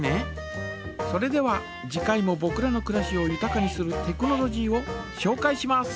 それでは次回もぼくらのくらしをゆたかにするテクノロジーをしょうかいします。